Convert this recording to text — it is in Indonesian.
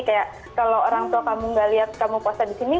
kayak kalau orang tua kamu gak lihat kamu puasa di sini